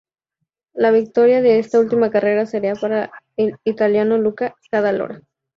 La victoria de esta última carrera sería para el italiano Luca Cadalora.